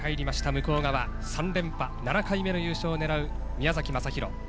向こう側３連覇７回目の優勝を狙う宮崎正裕」。